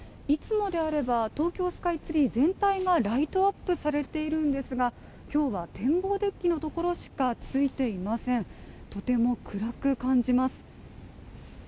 いつもであれば東京スカイツリー全体がライトアップされているんですが今日は天望デッキのところしかついていませんとても暗く感じます。